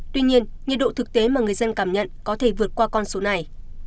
tuy nhiên nhiệt độ thực tế mà người dân cảm nhận có thể vượt qua con số này